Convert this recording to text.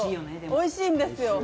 おいしいんですよ。